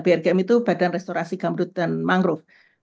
brgm itu badan restorasi gambut dan mangrove